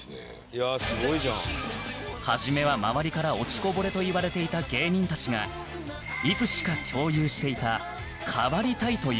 「いやあすごいじゃん」初めは周りから落ちこぼれと言われていた芸人たちがいつしか共有していた「変わりたい」という思い